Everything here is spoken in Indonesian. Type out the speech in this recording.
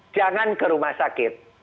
jangan ke rumah sakit